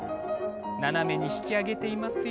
斜めに引き上げていますよ。